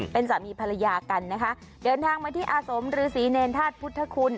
เป็นสามีภรรยากันนะคะเดินทางมาที่อาสมฤษีเนรธาตุพุทธคุณ